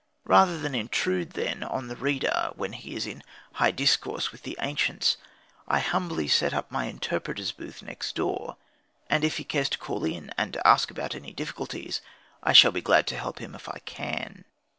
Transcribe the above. Rather than intrude, then, on the reader when he is in high discourse with the ancients, I humbly set up my interpreter's booth next door; and if he cares to call in, and ask about any difficulties, I shall be glad to help him if I can.